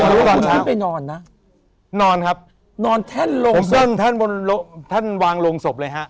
แต่ว่าคุณขึ้นไปนอนนะนอนครับนอนแท่นโรงศพผมขึ้นไปนอนแท่นบนโรงศพเลยฮะ